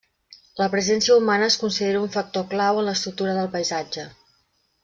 La presència humana es considera un factor clau en l'estructura del paisatge.